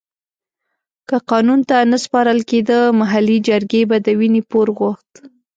که قانون ته نه سپارل کېده محلي جرګې به د وينې پور غوښت.